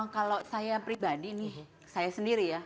kalau saya pribadi nih saya sendiri ya